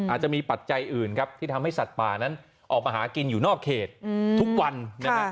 อาจจะมีปัจจัยอื่นครับที่ทำให้สัตว์ป่านั้นออกมาหากินอยู่นอกเขตทุกวันนะฮะ